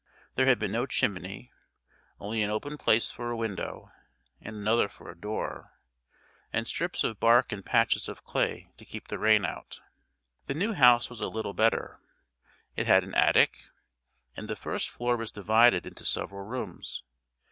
There had been no chimney, only an open place for a window, and another for a door, and strips of bark and patches of clay to keep the rain out. The new house was a little better, it had an attic, and the first floor was divided into several rooms.